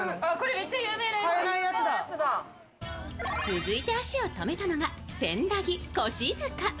続いて足を止めたのが千駄木腰塚。